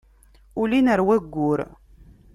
Ulin ar wayyur.